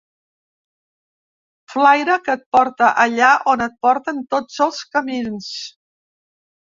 Flaire que et porta allà on et porten tots els camins.